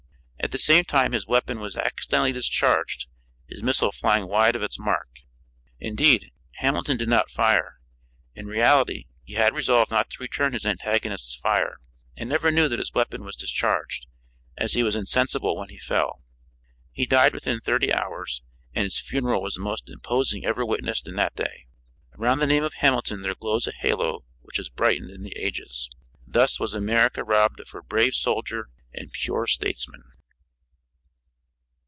At the same time his weapon was accidentally discharged, his missile flying wide of its mark. Indeed, Hamilton did not fire; in reality, he had resolved not to return his antagonist's fire, and never knew that his weapon was discharged, as he was insensible when he fell. He died within thirty hours, and his funeral was the most imposing ever witnessed in that day. Around the name of Hamilton there glows a halo which has brightened in the ages. Thus was America robbed of her brave soldier and pure statesman.